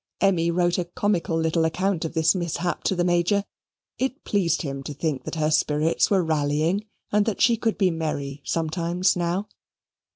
Emmy wrote a comical little account of this mishap to the Major: it pleased him to think that her spirits were rallying and that she could be merry sometimes now.